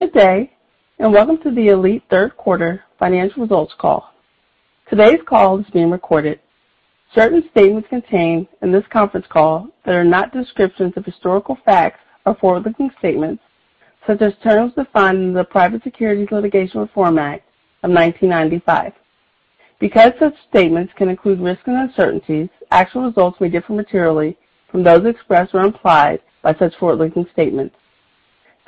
Good day, and welcome to the ALLETE Third Quarter Financial Results Call. Today's call is being recorded. Certain statements contained in this conference call that are not descriptions of historical facts are forward-looking statements as such terms are defined in the Private Securities Litigation Reform Act of 1995. Because such statements can include risks and uncertainties, actual results may differ materially from those expressed or implied by such forward-looking statements.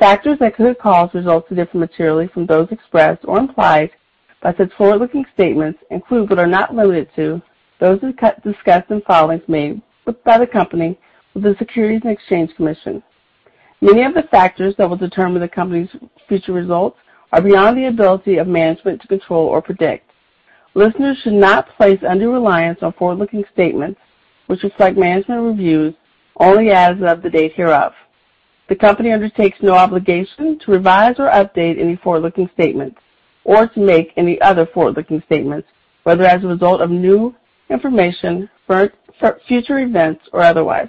Factors that could cause results to differ materially from those expressed or implied by such forward-looking statements include, but are not limited to, those discussed in filings made by the company with the Securities and Exchange Commission. Many of the factors that will determine the company's future results are beyond the ability of management to control or predict. Listeners should not place undue reliance on forward-looking statements, which reflect management's views only as of the date hereof. The company undertakes no obligation to revise or update any forward-looking statements or to make any other forward-looking statements, whether as a result of new information, future events or otherwise.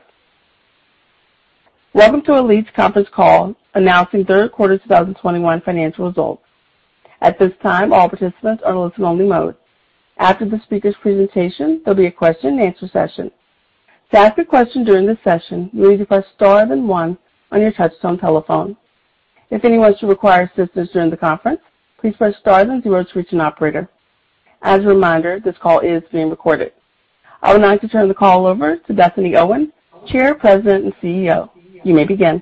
Welcome to ALLETE's conference call announcing third quarter 2021 financial results. At this time, all participants are in listen-only mode. After the speaker's presentation, there'll be a question-and-answer session. To ask a question during this session, you need to press star, then 1 on your touchtone telephone. If anyone should require assistance during the conference, please press star, then 0 to reach an operator. As a reminder, this call is being recorded. I would now like to turn the call over to Bethany Owen, Chair, President, and CEO. You may begin.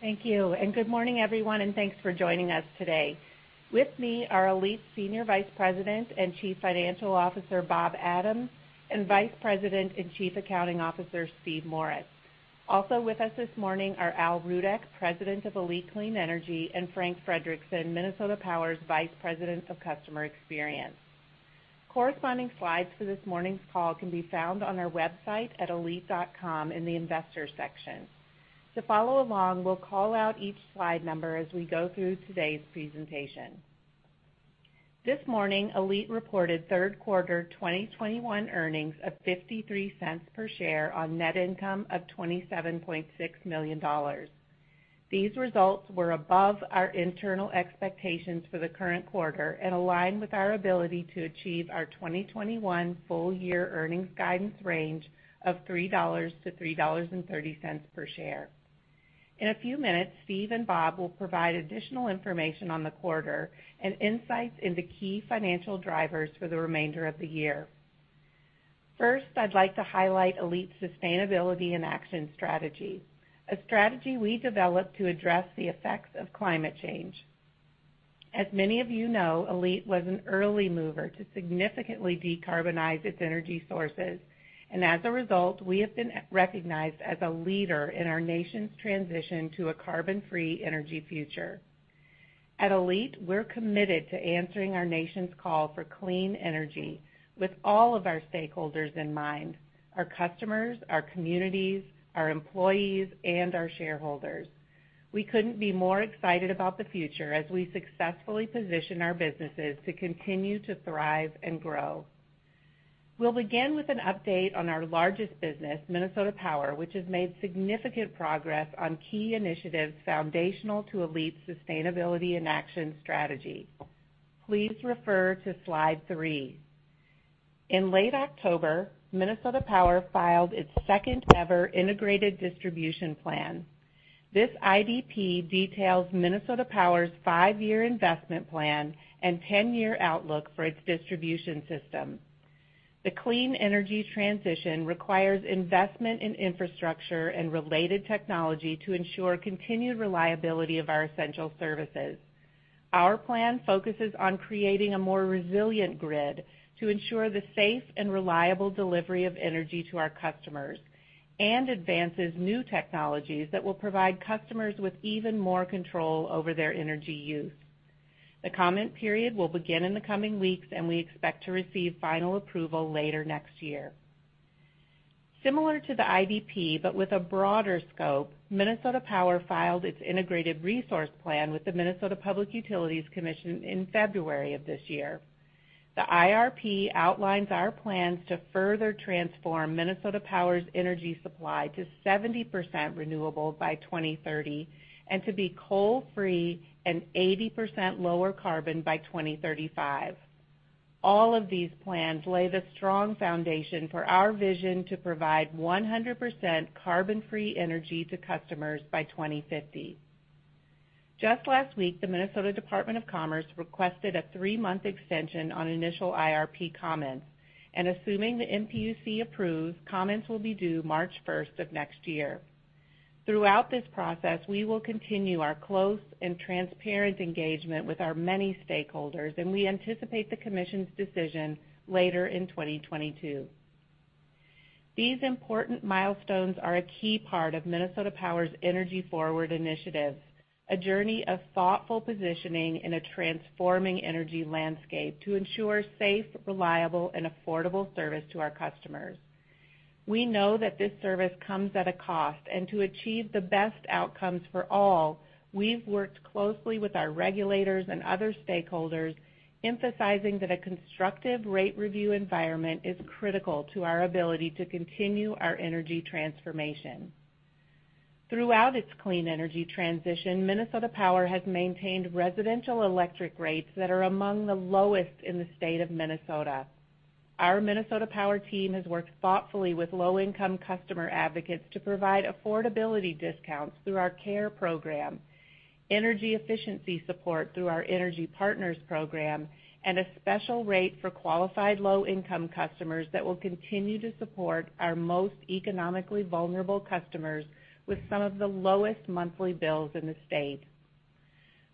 Thank you, and good morning, everyone, and thanks for joining us today. With me are ALLETE Senior Vice President and Chief Financial Officer Bob Adams, and Vice President and Chief Accounting Officer Steve Morris. Also with us this morning are Al Rudeck, President of ALLETE Clean Energy, and Frank Frederickson, Minnesota Power's Vice President of Customer Experience. Corresponding slides for this morning's call can be found on our website at allete.com in the Investors section. To follow along, we'll call out each slide number as we go through today's presentation. This morning, ALLETE reported third quarter 2021 earnings of $0.53 per share on net income of $27.6 million. These results were above our internal expectations for the current quarter and align with our ability to achieve our 2021 full year earnings guidance range of $3-$3.30 per share. In a few minutes, Steve and Bob will provide additional information on the quarter and insights into key financial drivers for the remainder of the year. First, I'd like to highlight ALLETE's Sustainability in Action strategy, a strategy we developed to address the effects of climate change. As many of you know, ALLETE was an early mover to significantly decarbonize its energy sources, and as a result, we have been recognized as a leader in our nation's transition to a carbon-free energy future. At ALLETE, we're committed to answering our nation's call for clean energy with all of our stakeholders in mind, our customers, our communities, our employees, and our shareholders. We couldn't be more excited about the future as we successfully position our businesses to continue to thrive and grow. We'll begin with an update on our largest business, Minnesota Power, which has made significant progress on key initiatives foundational to ALLETE's Sustainability in Action strategy. Please refer to slide three. In late October, Minnesota Power filed its second-ever integrated distribution plan. This IDP details Minnesota Power's five-year investment plan and 10-year outlook for its distribution system. The clean energy transition requires investment in infrastructure and related technology to ensure continued reliability of our essential services. Our plan focuses on creating a more resilient grid to ensure the safe and reliable delivery of energy to our customers and advances new technologies that will provide customers with even more control over their energy use. The comment period will begin in the coming weeks, and we expect to receive final approval later next year. Similar to the IDP, but with a broader scope, Minnesota Power filed its integrated resource plan with the Minnesota Public Utilities Commission in February of this year. The IRP outlines our plans to further transform Minnesota Power's energy supply to 70% renewable by 2030 and to be coal-free and 80% lower carbon by 2035. All of these plans lay the strong foundation for our vision to provide 100% carbon-free energy to customers by 2050. Just last week, the Minnesota Department of Commerce requested a three-month extension on initial IRP comments, and assuming the MPUC approves, comments will be due March 1 of next year. Throughout this process, we will continue our close and transparent engagement with our many stakeholders, and we anticipate the commission's decision later in 2022. These important milestones are a key part of Minnesota Power's Energy Forward initiative, a journey of thoughtful positioning in a transforming energy landscape to ensure safe, reliable, and affordable service to our customers. We know that this service comes at a cost. To achieve the best outcomes for all, we've worked closely with our regulators and other stakeholders, emphasizing that a constructive rate review environment is critical to our ability to continue our energy transformation. Throughout its clean energy transition, Minnesota Power has maintained residential electric rates that are among the lowest in the state of Minnesota. Our Minnesota Power team has worked thoughtfully with low-income customer advocates to provide affordability discounts through our care program, energy efficiency support through our Energy Partners program, and a special rate for qualified low-income customers that will continue to support our most economically vulnerable customers with some of the lowest monthly bills in the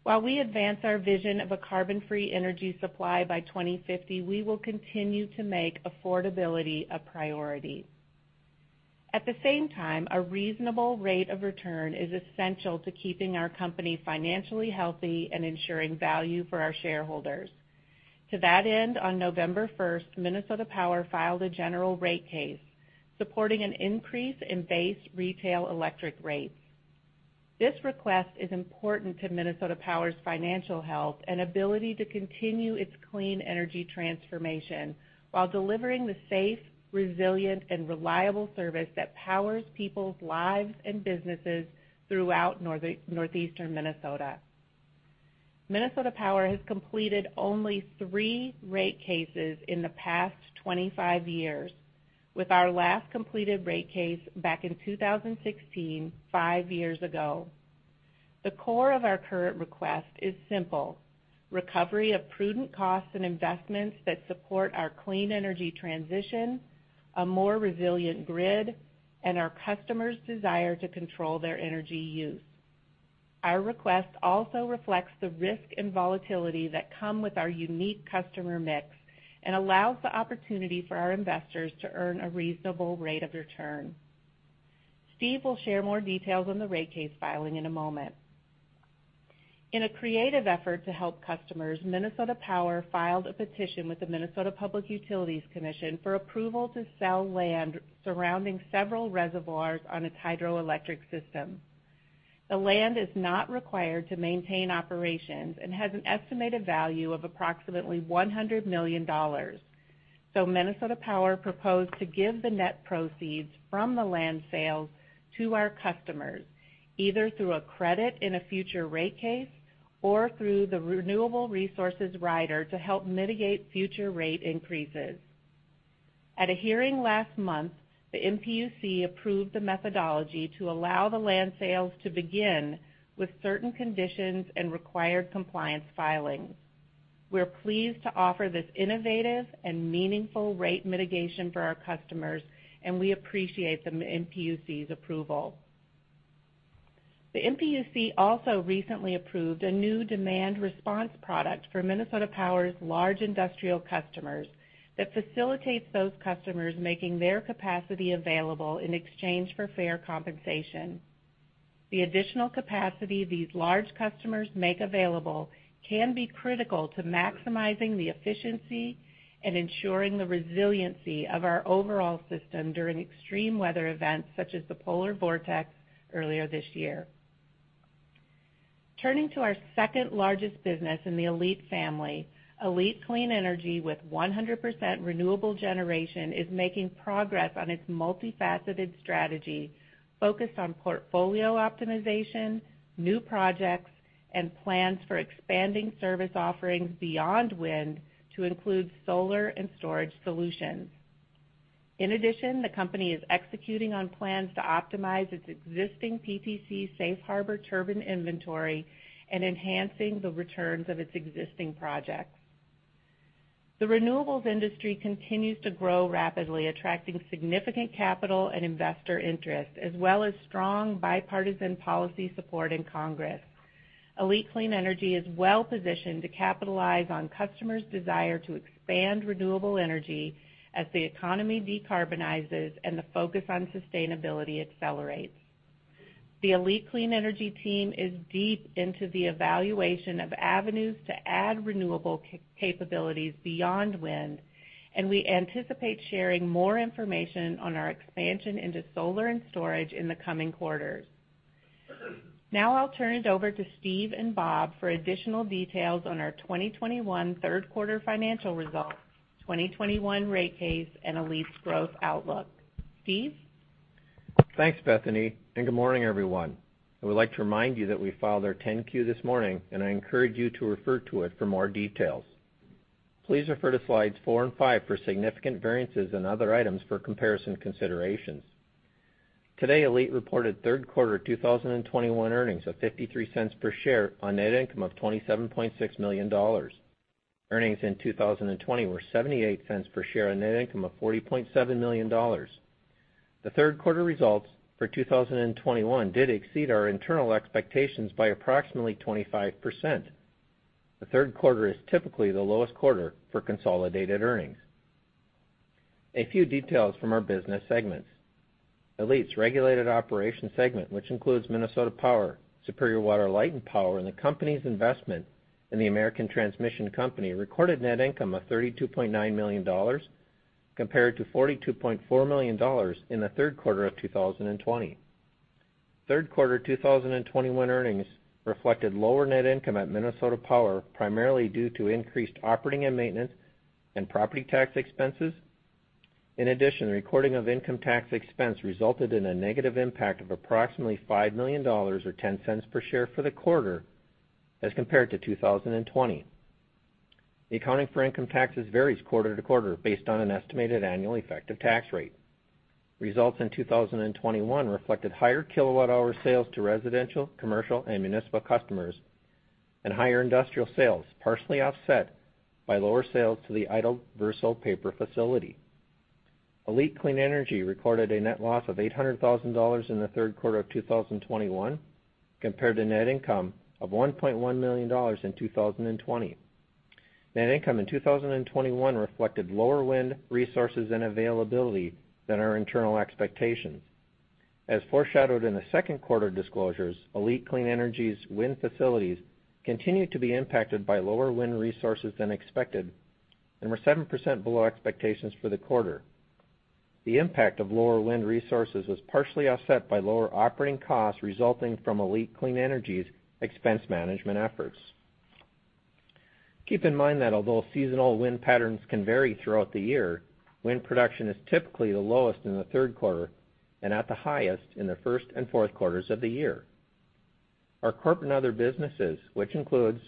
state. While we advance our vision of a carbon-free energy supply by 2050, we will continue to make affordability a priority. At the same time, a reasonable rate of return is essential to keeping our company financially healthy and ensuring value for our shareholders. To that end, on November first, Minnesota Power filed a general rate case supporting an increase in base retail electric rates. This request is important to Minnesota Power's financial health and ability to continue its clean energy transformation while delivering the safe, resilient, and reliable service that powers people's lives and businesses throughout northeastern Minnesota. Minnesota Power has completed only three rate cases in the past 25 years, with our last completed rate case back in 2016, five years ago. The core of our current request is simple: recovery of prudent costs and investments that support our clean energy transition, a more resilient grid, and our customers' desire to control their energy use. Our request also reflects the risk and volatility that come with our unique customer mix and allows the opportunity for our investors to earn a reasonable rate of return. Steve will share more details on the rate case filing in a moment. In a creative effort to help customers, Minnesota Power filed a petition with the Minnesota Public Utilities Commission for approval to sell land surrounding several reservoirs on its hydroelectric system. The land is not required to maintain operations and has an estimated value of approximately $100 million, so Minnesota Power proposed to give the net proceeds from the land sales to our customers, either through a credit in a future rate case or through the Renewable Resources Rider to help mitigate future rate increases. At a hearing last month, the MPUC approved the methodology to allow the land sales to begin with certain conditions and required compliance filings. We're pleased to offer this innovative and meaningful rate mitigation for our customers, and we appreciate the MPUC's approval. The MPUC also recently approved a new demand response product for Minnesota Power's large industrial customers that facilitates those customers making their capacity available in exchange for fair compensation. The additional capacity these large customers make available can be critical to maximizing the efficiency and ensuring the resiliency of our overall system during extreme weather events, such as the polar vortex earlier this year. Turning to our second-largest business in the ALLETE family, ALLETE Clean Energy, with 100% renewable generation, is making progress on its multifaceted strategy focused on portfolio optimization, new projects, and plans for expanding service offerings beyond wind to include solar and storage solutions. In addition, the company is executing on plans to optimize its existing PTC safe harbor turbine inventory and enhancing the returns of its existing projects. The renewables industry continues to grow rapidly, attracting significant capital and investor interest as well as strong bipartisan policy support in Congress. ALLETE Clean Energy is well-positioned to capitalize on customers' desire to expand renewable energy as the economy decarbonizes and the focus on sustainability accelerates. The ALLETE Clean Energy team is deep into the evaluation of avenues to add renewable capabilities beyond wind, and we anticipate sharing more information on our expansion into solar and storage in the coming quarters. Now I'll turn it over to Steve and Bob for additional details on our 2021 third quarter financial results, 2021 rate case, and ALLETE's growth outlook. Steve? Thanks, Bethany, and good morning, everyone. I would like to remind you that we filed our 10-Q this morning, and I encourage you to refer to it for more details. Please refer to slides four and five for significant variances and other items for comparison considerations. Today, ALLETE reported third quarter 2021 earnings of $0.53 per share on net income of $27.6 million. Earnings in 2020 were $0.78 per share on net income of $40.7 million. The third quarter results for 2021 did exceed our internal expectations by approximately 25%. The third quarter is typically the lowest quarter for consolidated earnings. A few details from our business segments. ALLETE's regulated operations segment, which includes Minnesota Power, Superior Water, Light and Power, and the company's investment in the American Transmission Company, recorded net income of $32.9 million compared to $42.4 million in the third quarter of 2020. Third Quarter 2021 earnings reflected lower net income at Minnesota Power, primarily due to increased operating and maintenance and property tax expenses. In addition, recording of income tax expense resulted in a negative impact of approximately $5 million or $0.10 per share for the quarter as compared to 2020. The accounting for income taxes varies quarter to quarter based on an estimated annual effective tax rate. Results in 2021 reflected higher kilowatt hour sales to residential, commercial, and municipal customers and higher industrial sales, partially offset by lower sales to the idle Verso paper facility. ALLETE Clean Energy recorded a net loss of $800,000 in the third quarter of 2021 compared to net income of $1.1 million in 2020. Net income in 2021 reflected lower wind resources and availability than our internal expectations. As foreshadowed in the second quarter disclosures, ALLETE Clean Energy's wind facilities continued to be impacted by lower wind resources than expected and were 7% below expectations for the quarter. The impact of lower wind resources was partially offset by lower operating costs resulting from ALLETE Clean Energy's expense management efforts. Keep in mind that although seasonal wind patterns can vary throughout the year, wind production is typically the lowest in the third quarter and at the highest in the first and fourth quarters of the year. Our corporate and other businesses, which includes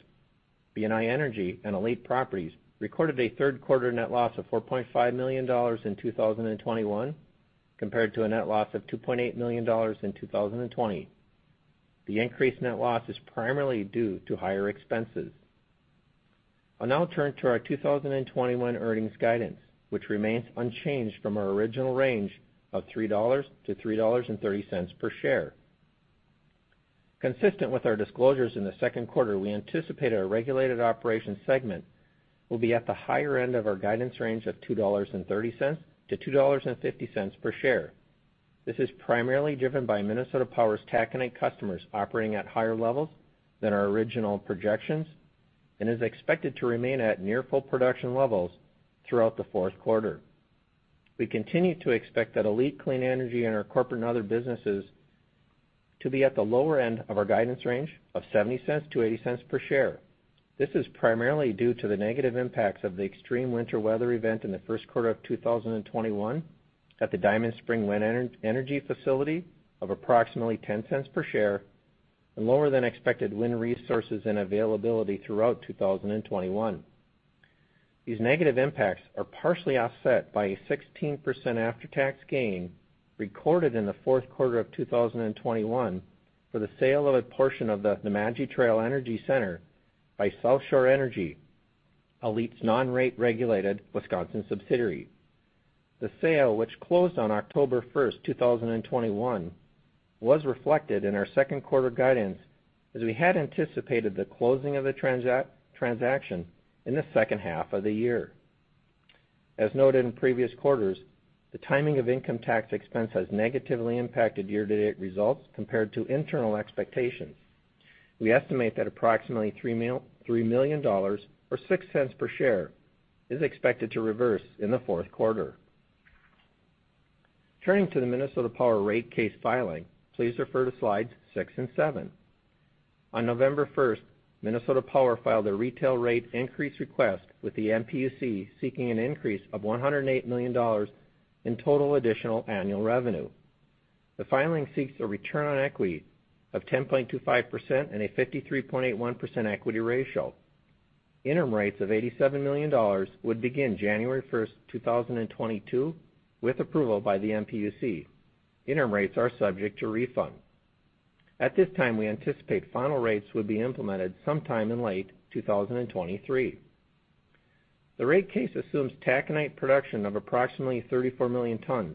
BNI Energy and ALLETE Properties, recorded a third quarter net loss of $4.5 million in 2021 compared to a net loss of $2.8 million in 2020. The increased net loss is primarily due to higher expenses. I'll now turn to our 2021 earnings guidance, which remains unchanged from our original range of $3-$3.30 per share. Consistent with our disclosures in the second quarter, we anticipate our regulated operations segment will be at the higher end of our guidance range of $2.30-$2.50 per share. This is primarily driven by Minnesota Power's taconite customers operating at higher levels than our original projections and is expected to remain at near full production levels throughout the fourth quarter. We continue to expect that ALLETE Clean Energy and our corporate and other businesses to be at the lower end of our guidance range of $0.70-$0.80 per share. This is primarily due to the negative impacts of the extreme winter weather event in the first quarter of 2021 at the Diamond Spring wind energy facility of approximately $0.10 per share and lower than expected wind resources and availability throughout 2021. These negative impacts are partially offset by a 16% after-tax gain recorded in the fourth quarter of 2021 for the sale of a portion of the Nemadji Trail Energy Center by South Shore Energy, ALLETE's non-rate regulated Wisconsin subsidiary. The sale, which closed on October 1, 2021, was reflected in our second quarter guidance as we had anticipated the closing of the transaction in the second half of the year. As noted in previous quarters, the timing of income tax expense has negatively impacted year-to-date results compared to internal expectations. We estimate that approximately $3 million, or $0.06 per share, is expected to reverse in the fourth quarter. Turning to the Minnesota Power rate case filing, please refer to slides six and seven. On November 1, Minnesota Power filed a retail rate increase request with the MPUC seeking an increase of $108 million in total additional annual revenue. The filing seeks a return on equity of 10.25% and a 53.81% equity ratio. Interim rates of $87 million would begin January 1, 2022, with approval by the MPUC. Interim rates are subject to refund. At this time, we anticipate final rates will be implemented sometime in late 2023. The rate case assumes taconite production of approximately 34 million tons,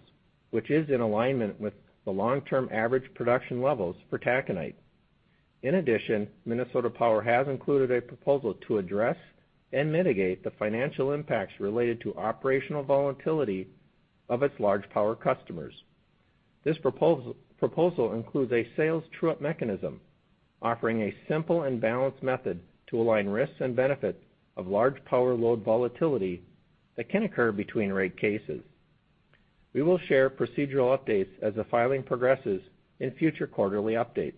which is in alignment with the long-term average production levels for taconite. In addition, Minnesota Power has included a proposal to address and mitigate the financial impacts related to operational volatility of its large power customers. This proposal includes a sales true-up mechanism offering a simple and balanced method to align risks and benefits of large power load volatility that can occur between rate cases. We will share procedural updates as the filing progresses in future quarterly updates.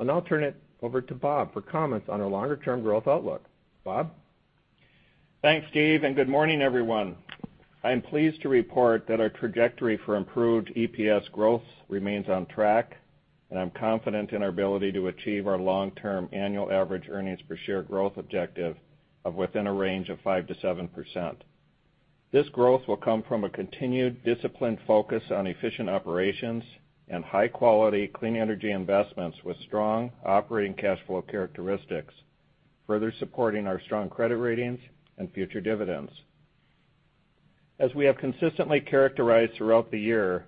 I'll now turn it over to Bob for comments on our longer-term growth outlook. Bob? Thanks, Dave, and good morning, everyone. I am pleased to report that our trajectory for improved EPS growth remains on track, and I'm confident in our ability to achieve our long-term annual average earnings per share growth objective of within a range of 5%-7%. This growth will come from a continued disciplined focus on efficient operations and high-quality clean energy investments with strong operating cash flow characteristics, further supporting our strong credit ratings and future dividends. As we have consistently characterized throughout the year,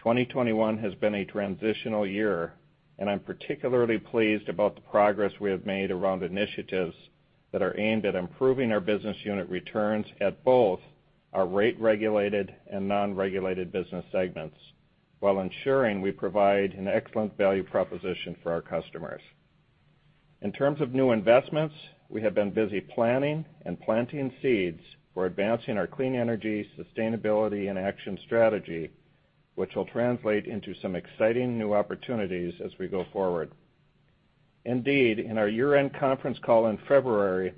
2021 has been a transitional year, and I'm particularly pleased about the progress we have made around initiatives that are aimed at improving our business unit returns at both our rate-regulated and non-regulated business segments while ensuring we provide an excellent value proposition for our customers. In terms of new investments, we have been busy planning and planting seeds for advancing our Sustainability in Action strategy, which will translate into some exciting new opportunities as we go forward. Indeed, in our year-end conference call in February,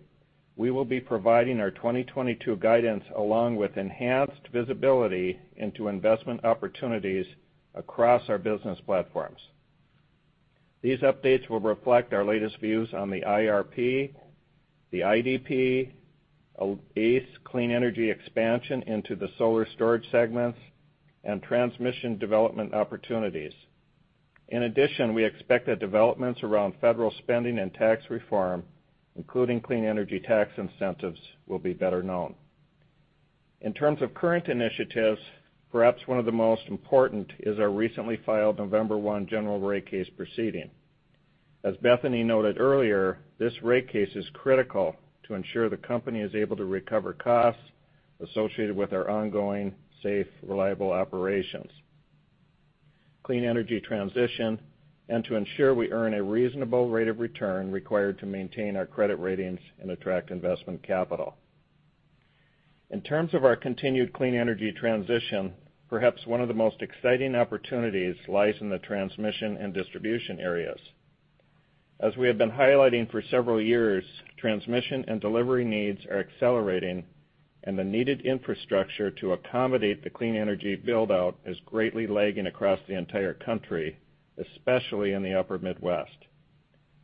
we will be providing our 2022 guidance along with enhanced visibility into investment opportunities across our business platforms. These updates will reflect our latest views on the IRP, the IDP, ALLETE Clean Energy expansion into the solar storage segments, and transmission development opportunities. In addition, we expect that developments around federal spending and tax reform, including clean energy tax incentives, will be better known. In terms of current initiatives, perhaps one of the most important is our recently filed November 1 general rate case proceeding. As Bethany noted earlier, this rate case is critical to ensure the company is able to recover costs associated with our ongoing safe, reliable operations, clean energy transition, and to ensure we earn a reasonable rate of return required to maintain our credit ratings and attract investment capital. In terms of our continued clean energy transition, perhaps one of the most exciting opportunities lies in the transmission and distribution areas. As we have been highlighting for several years, transmission and delivery needs are accelerating, and the needed infrastructure to accommodate the clean energy build-out is greatly lagging across the entire country, especially in the upper Midwest.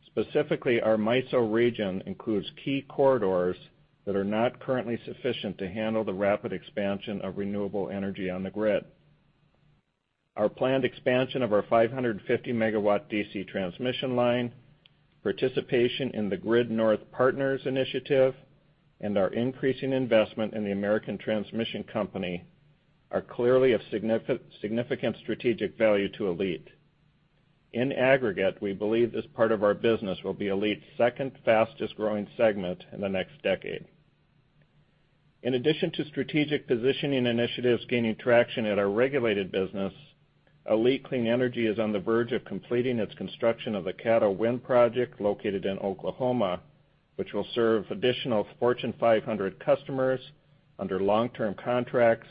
Specifically, our MISO region includes key corridors that are not currently sufficient to handle the rapid expansion of renewable energy on the grid. Our planned expansion of our 550 MW DC transmission line, participation in the Grid North Partners initiative, and our increasing investment in the American Transmission Company are clearly of significant strategic value to ALLETE. In aggregate, we believe this part of our business will be ALLETE's second fastest-growing segment in the next decade. In addition to strategic positioning initiatives gaining traction at our regulated business, ALLETE Clean Energy is on the verge of completing its construction of the Caddo wind project located in Oklahoma, which will serve additional Fortune 500 customers under long-term contracts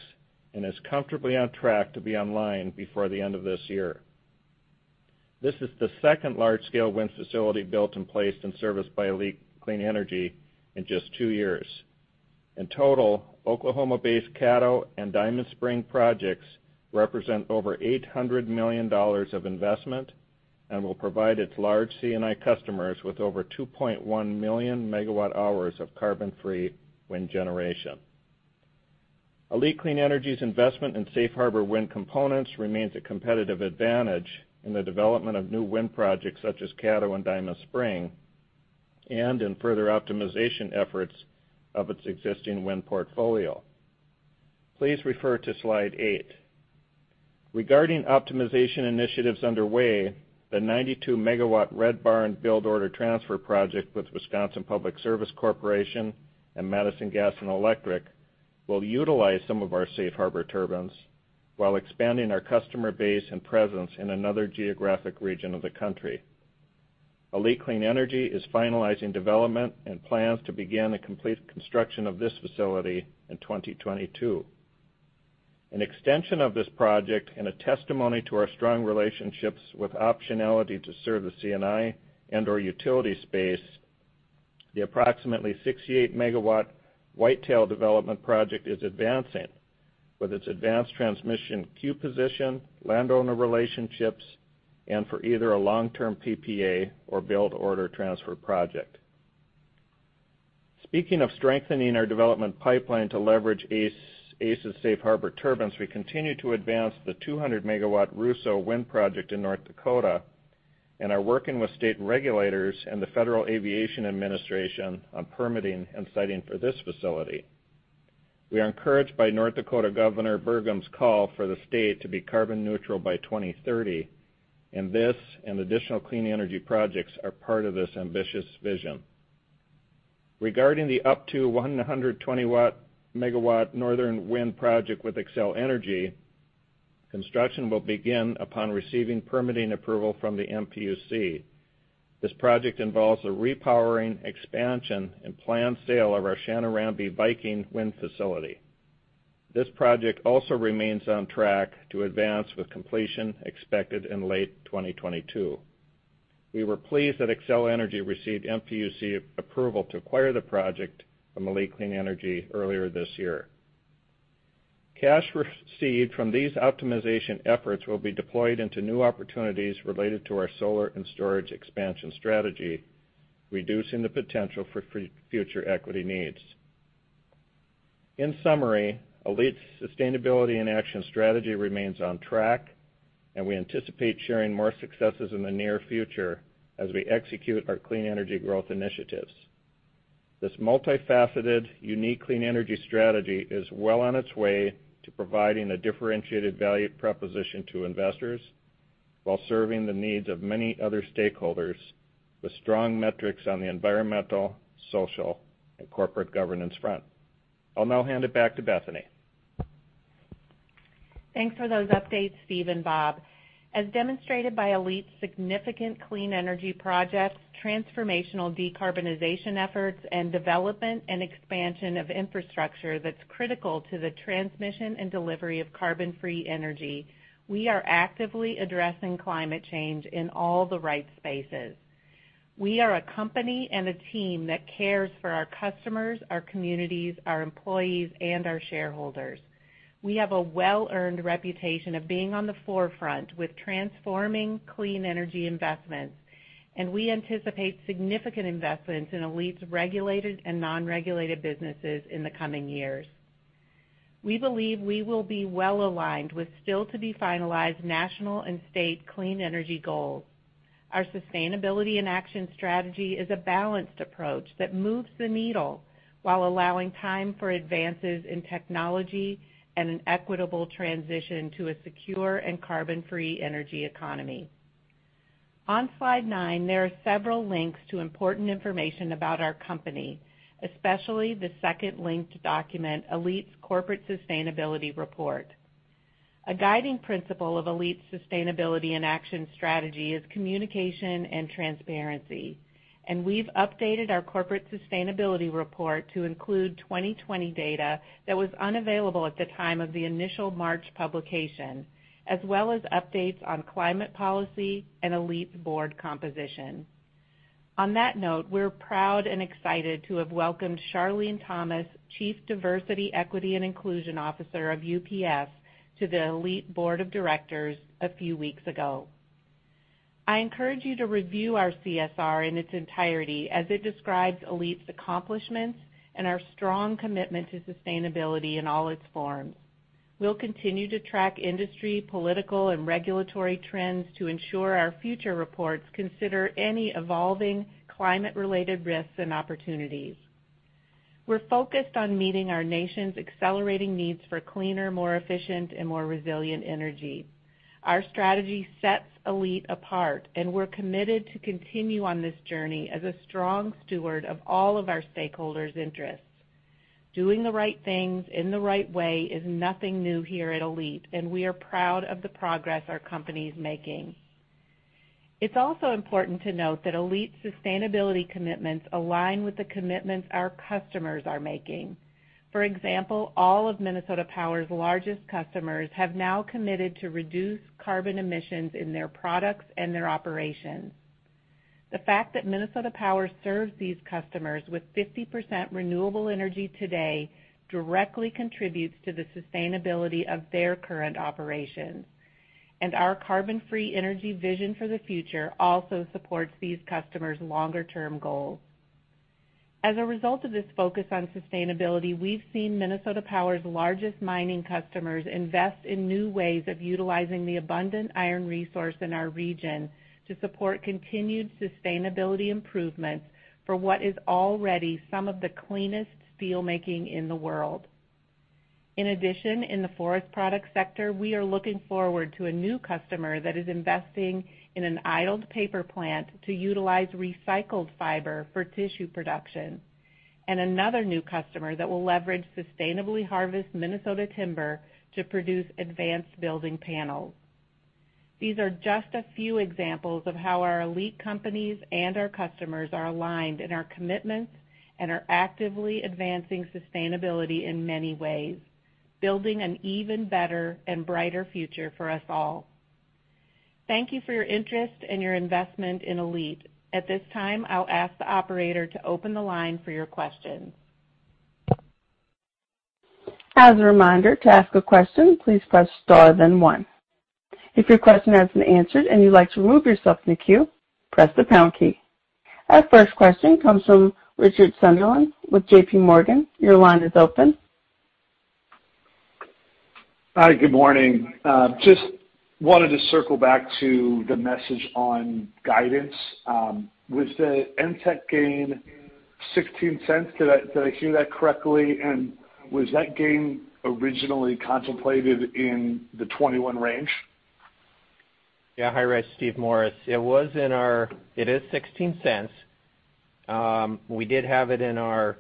and is comfortably on track to be online before the end of this year. This is the second large-scale wind facility built and placed in service by ALLETE Clean Energy in just two years. In total, Oklahoma-based Caddo and Diamond Spring projects represent over $800 million of investment and will provide its large C&I customers with over 2.1 million MWh of carbon-free wind generation. ALLETE Clean Energy's investment in Safe Harbor wind components remains a competitive advantage in the development of new wind projects such as Caddo and Diamond Spring, and in further optimization efforts of its existing wind portfolio. Please refer to slide eight. Regarding optimization initiatives underway, the 92 MW Red Barn build-transfer project with Wisconsin Public Service Corporation and Madison Gas and Electric will utilize some of our Safe Harbor turbines while expanding our customer base and presence in another geographic region of the country. ALLETE Clean Energy is finalizing development and plans to begin the complete construction of this facility in 2022. An extension of this project and a testimony to our strong relationships with optionality to serve the C&I and/or utility space, the approximately 68 MW Whitetail development project is advancing with its advanced transmission queue position, landowner relationships, and for either a long-term PPA or build-own-transfer project. Speaking of strengthening our development pipeline to leverage ACE's safe harbor turbines, we continue to advance the 200 MW Russo Wind project in North Dakota and are working with state regulators and the Federal Aviation Administration on permitting and siting for this facility. We are encouraged by North Dakota Governor Burgum's call for the state to be carbon neutral by 2030, and this and additional clean energy projects are part of this ambitious vision. Regarding the up to 120 MW Northern Wind project with Xcel Energy, construction will begin upon receiving permitting approval from the MPUC. This project involves a repowering expansion and planned sale of our Chanarambie/Viking wind facility. This project also remains on track to advance, with completion expected in late 2022. We were pleased that Xcel Energy received MPUC approval to acquire the project from ALLETE Clean Energy earlier this year. Cash received from these optimization efforts will be deployed into new opportunities related to our solar and storage expansion strategy, reducing the potential for future equity needs. In summary, ALLETE's Sustainability in Action strategy remains on track, and we anticipate sharing more successes in the near future as we execute our clean energy growth initiatives. This multifaceted, unique clean energy strategy is well on its way to providing a differentiated value proposition to investors while serving the needs of many other stakeholders with strong metrics on the environmental, social, and corporate governance front. I'll now hand it back to Bethany. Thanks for those updates, Steve and Bob. As demonstrated by ALLETE's significant clean energy projects, transformational decarbonization efforts, and development and expansion of infrastructure that's critical to the transmission and delivery of carbon-free energy, we are actively addressing climate change in all the right spaces. We are a company and a team that cares for our customers, our communities, our employees, and our shareholders. We have a well-earned reputation of being on the forefront with transforming clean energy investments, and we anticipate significant investments in ALLETE's regulated and non-regulated businesses in the coming years. We believe we will be well-aligned with still to be finalized national and state clean energy goals. Our Sustainability in Action strategy is a balanced approach that moves the needle while allowing time for advances in technology and an equitable transition to a secure and carbon-free energy economy. On slide nine, there are several links to important information about our company, especially the second linked document, ALLETE's Corporate Sustainability Report. A guiding principle of ALLETE's Sustainability in Action strategy is communication and transparency, and we've updated our Corporate Sustainability Report to include 2020 data that was unavailable at the time of the initial March publication, as well as updates on climate policy and ALLETE's board composition. On that note, we're proud and excited to have welcomed Charlene Thomas, Chief Diversity, Equity and Inclusion Officer of UPS, to the ALLETE Board of Directors a few weeks ago. I encourage you to review our CSR in its entirety as it describes ALLETE's accomplishments and our strong commitment to sustainability in all its forms. We'll continue to track industry, political, and regulatory trends to ensure our future reports consider any evolving climate-related risks and opportunities. We're focused on meeting our nation's accelerating needs for cleaner, more efficient, and more resilient energy. Our strategy sets ALLETE apart, and we're committed to continue on this journey as a strong steward of all of our stakeholders' interests. Doing the right things in the right way is nothing new here at ALLETE, and we are proud of the progress our company is making. It's also important to note that ALLETE's sustainability commitments align with the commitments our customers are making. For example, all of Minnesota Power's largest customers have now committed to reduce carbon emissions in their products and their operations. The fact that Minnesota Power serves these customers with 50% renewable energy today directly contributes to the sustainability of their current operations. Our carbon-free energy vision for the future also supports these customers' longer-term goals. As a result of this focus on sustainability, we've seen Minnesota Power's largest mining customers invest in new ways of utilizing the abundant iron resource in our region to support continued sustainability improvements for what is already some of the cleanest steelmaking in the world. In addition, in the forest product sector, we are looking forward to a new customer that is investing in an idled paper plant to utilize recycled fiber for tissue production, and another new customer that will leverage sustainably harvest Minnesota timber to produce advanced building panels. These are just a few examples of how our ALLETE companies and our customers are aligned in our commitments and are actively advancing sustainability in many ways, building an even better and brighter future for us all. Thank you for your interest and your investment in ALLETE. At this time, I'll ask the operator to open the line for your questions. Our first question comes from Richard Sunderland with JP Morgan. Your line is open. Hi, good morning. Just wanted to circle back to the message on guidance. Was the NTEC gain $0.16? Did I hear that correctly? Was that gain originally contemplated in the 2021 range? Yeah. Hi, Richard. Steve Morris. It is $0.16. We did have it in our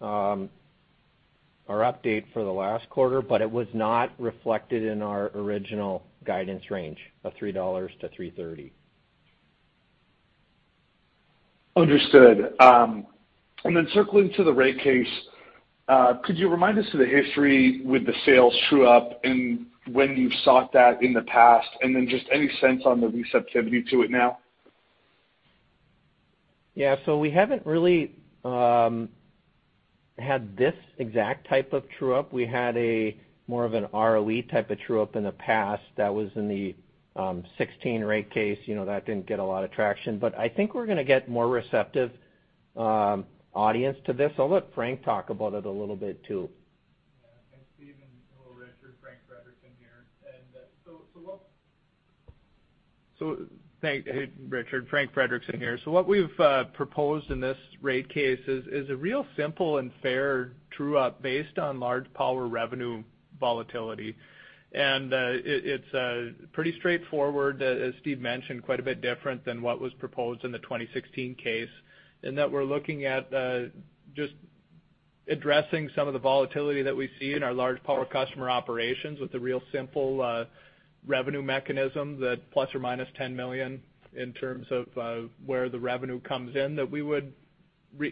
update for the last quarter, but it was not reflected in our original guidance range of $3.00-$3.30. Understood. Circling back to the rate case, could you remind us of the history with the sales true-up and when you've sought that in the past, and then just any sense on the receptivity to it now? Yeah. We haven't really had this exact type of true-up. We had a more of an ROE type of true-up in the past that was in the 2016 rate case. You know, that didn't get a lot of traction. I think we're gonna get more receptive audience to this. I'll let Frank talk about it a little bit too. Thanks, Steve, and hello, Richard. Frank Frederickson here. What we've proposed in this rate case is a real simple and fair true-up based on large power revenue volatility. It's pretty straightforward, as Steve mentioned, quite a bit different than what was proposed in the 2016 case, in that we're looking at just addressing some of the volatility that we see in our large power customer operations with a real simple revenue mechanism that ±$10 million in terms of where the revenue comes in that we would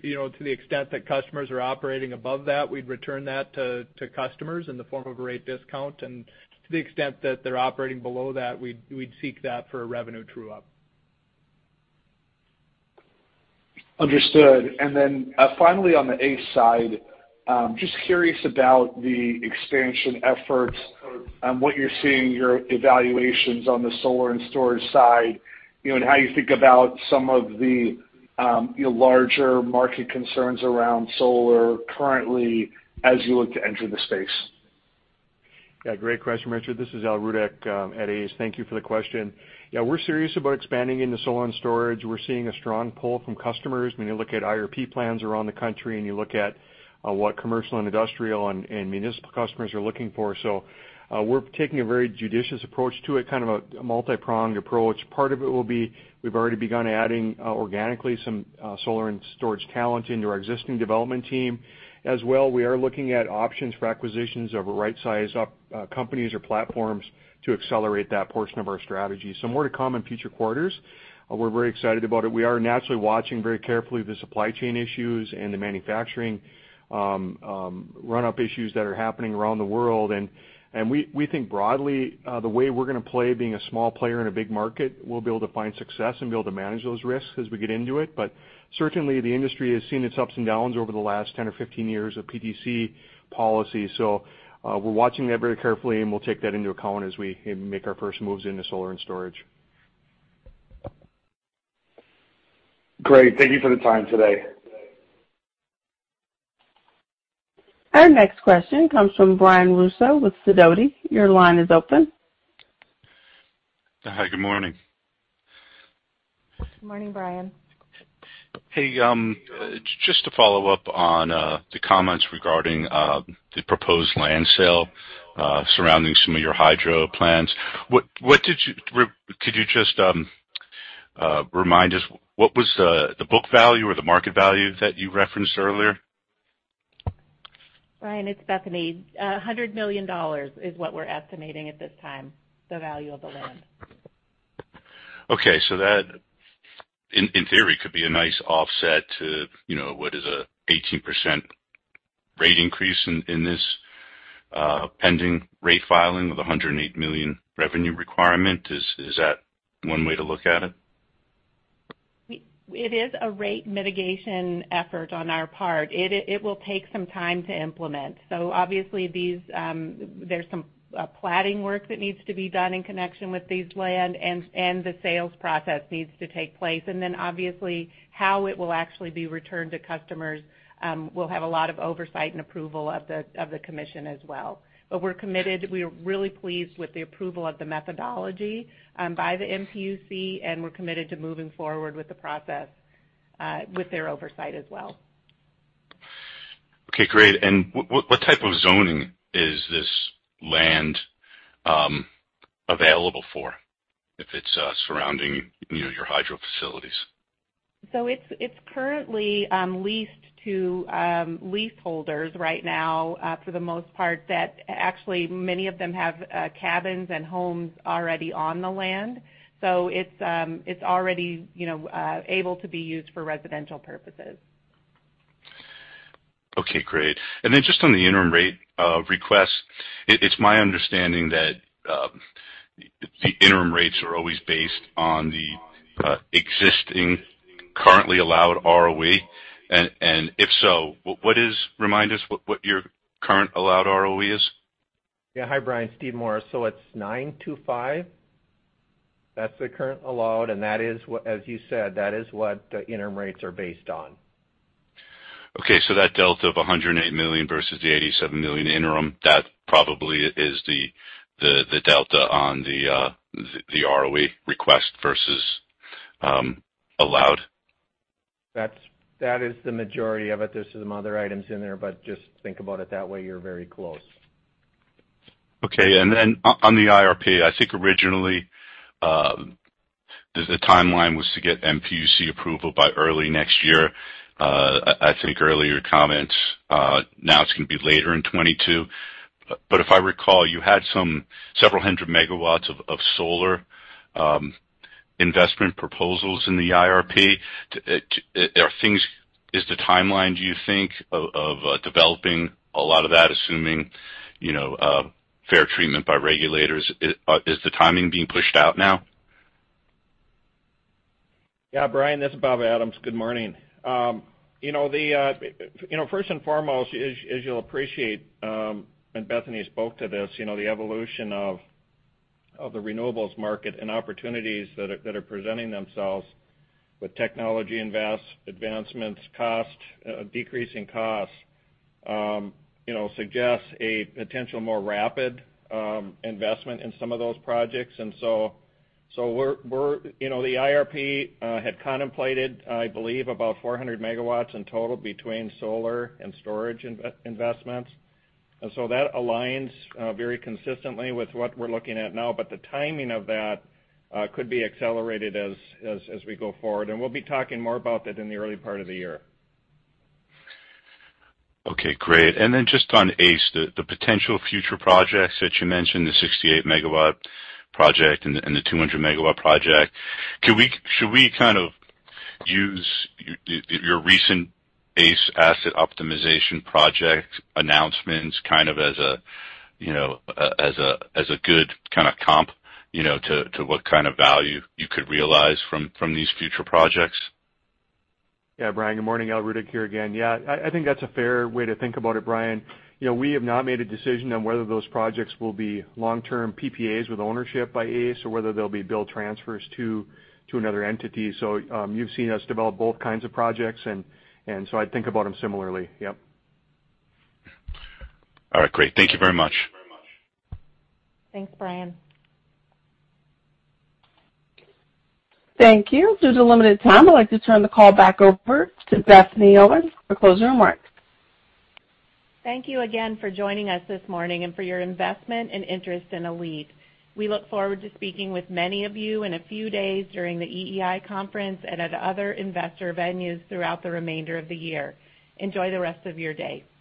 You know, to the extent that customers are operating above that, we'd return that to customers in the form of a rate discount. To the extent that they're operating below that, we'd seek that for a revenue true-up. Understood. Finally, on the ACE side, just curious about the expansion efforts and what you're seeing your evaluations on the solar and storage side, you know, and how you think about some of the, you know, larger market concerns around solar currently as you look to enter the space? Yeah, great question, Richard. This is Al Rudeck at ACE. Thank you for the question. Yeah, we're serious about expanding into solar and storage. We're seeing a strong pull from customers when you look at IRP plans around the country, and you look at what commercial and industrial and municipal customers are looking for. We're taking a very judicious approach to it, kind of a multi-pronged approach. Part of it will be, we've already begun adding organically some solar and storage talent into our existing development team. As well, we are looking at options for acquisitions of right-sized companies or platforms to accelerate that portion of our strategy. More to come in future quarters. We're very excited about it. We are naturally watching very carefully the supply chain issues and the manufacturing, run up issues that are happening around the world. We think broadly, the way we're gonna play being a small player in a big market, we'll be able to find success and be able to manage those risks as we get into it. Certainly, the industry has seen its ups and downs over the last 10 or 15 years of PTC policy. We're watching that very carefully, and we'll take that into account as we make our first moves into solar and storage. Great. Thank you for the time today. Our next question comes from Brian Russo with Sidoti. Your line is open. Hi, good morning. Good morning, Brian. Hey, just to follow up on the comments regarding the proposed land sale surrounding some of your hydro plants. Could you just remind us what was the book value or the market value that you referenced earlier? Brian, it's Bethany. $100 million is what we're estimating at this time, the value of the land. Okay. That in theory could be a nice offset to, you know, what is an 18% rate increase in this pending rate filing with a $108 million revenue requirement. Is that one way to look at it? It is a rate mitigation effort on our part. It will take some time to implement. Obviously these, there's some planning work that needs to be done in connection with these land and the sales process needs to take place. Then, obviously, how it will actually be returned to customers will have a lot of oversight and approval of the commission as well. We're committed. We are really pleased with the approval of the methodology by the MPUC, and we're committed to moving forward with the process with their oversight as well. Okay, great. What type of zoning is this land available for if it's surrounding, you know, your hydro facilities? It's currently leased to leaseholders right now for the most part actually many of them have cabins and homes already on the land. It's already you know able to be used for residential purposes. Okay, great. Then just on the interim rate request, it's my understanding that the interim rates are always based on the existing currently allowed ROE. If so, remind us what your current allowed ROE is? Yeah. Hi, Brian. Steve Morris. It's 9.25. That's the current allowed, and that is what, as you said, that is what the interim rates are based on. Okay. That delta of $108 million versus the $87 million interim, that probably is the delta on the ROE request versus allowed. That is the majority of it. There's some other items in there, but just think about it that way, you're very close. Okay. On the IRP, I think originally the timeline was to get MPUC approval by early next year. I think earlier comments now it's gonna be later in 2022. If I recall, you had some several hundred megawatts of solar investment proposals in the IRP. Is the timeline, do you think, of developing a lot of that, assuming you know fair treatment by regulators, is the timing being pushed out now? Yeah. Brian, this is Bob Adams. Good morning. You know, you know, first and foremost, as you'll appreciate, and Bethany spoke to this, you know, the evolution of the renewables market and opportunities that are presenting themselves with technology advancements, decreasing costs, you know, suggests a potential more rapid investment in some of those projects. We're, you know, the IRP had contemplated, I believe, about 400 MW in total between solar and storage investments. That aligns very consistently with what we're looking at now. The timing of that could be accelerated as we go forward. We'll be talking more about that in the early part of the year. Okay, great. Then just on ACE, the potential future projects that you mentioned, the 68 MW project and the 200 MW project. Should we kind of use your recent ACE asset optimization project announcements kind of as a, you know, as a good kinda comp, you know, to what kind of value you could realize from these future projects? Yeah. Brian, good morning. Al Rudeck here again. Yeah. I think that's a fair way to think about it, Brian. You know, we have not made a decision on whether those projects will be long-term PPAs with ownership by ACE or whether they'll be build transfers to another entity. You've seen us develop both kinds of projects and so I'd think about them similarly. Yep. All right. Great. Thank you very much. Thanks, Brian. Thank you. Due to limited time, I'd like to turn the call back over to Bethany Owen for closing remarks. Thank you again for joining us this morning and for your investment and interest in ALLETE. We look forward to speaking with many of you in a few days during the EEI conference and at other investor venues throughout the remainder of the year. Enjoy the rest of your day.